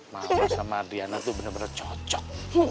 mama sama adriana tuh bener bener cocok